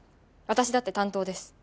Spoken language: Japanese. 私だって担当です。